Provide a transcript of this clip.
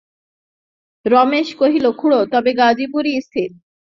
রমেশ কহিল, খুড়ো, তবে গাজিপুরই স্থির।